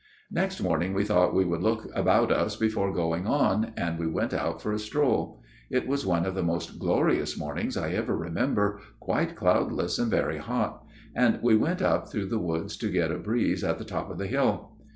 " Next morning we thought we would look about us before going on ; and we went out for a stroll. It was one of the most glorious mornings I ever remember, quite cloudless and very hot ; and we went up through woods to get a breeze at the top of the hill.